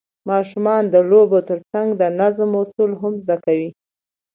ماشومان د لوبو ترڅنګ د نظم اصول هم زده کوي